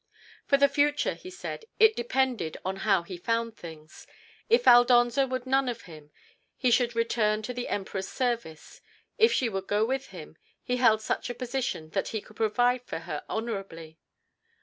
"For the future," he said, "it depended on how he found things. If Aldonza would none of him, he should return to the Emperor's service. If she would go with him, he held such a position that he could provide for her honourably.